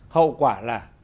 hậu quả là